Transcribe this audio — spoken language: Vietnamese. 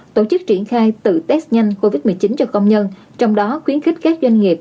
tổ chức triển khai tự test nhanh covid một mươi chín cho công nhân trong đó khuyến khích các doanh nghiệp